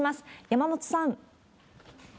山本さん。